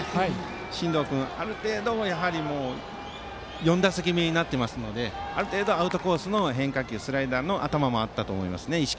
真藤君４打席目になっていますのである程度アウトコースの変化球スライダーの頭、意識もあったと思います。